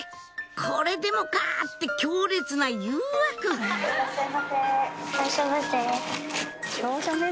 これでもか！って強烈な誘惑いらっしゃいませ。